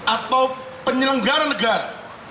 atau penyelenggara negara